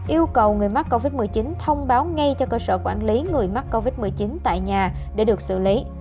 yêu cầu người mắc covid một mươi chín thông báo ngay cho cơ sở quản lý người mắc covid một mươi chín tại nhà để được xử lý